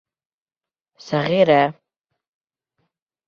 Сәғирә.